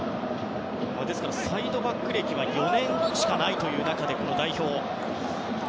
サイドバック歴は４年しかないという中でこの代表。